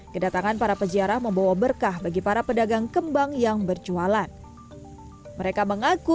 kedatangan para peziarah membawa berkah bagi para pedagang kembang yang berjualan mereka mengaku